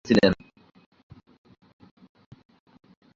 তিনি ওয়েন তিয়ানজিয়াংয়ের উত্তরাধিকারী ছিলেন।